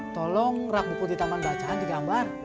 tolong rak buku di taman bacaan digambar